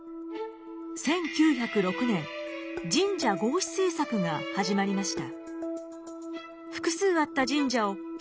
１９０６年神社合祀政策が始まりました。